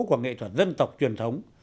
của nghệ thuật dân tộc truyền thống